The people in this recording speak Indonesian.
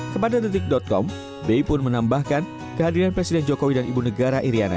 kepada detik com b pun menambahkan kehadiran presiden jokowi dan ibu negara iryana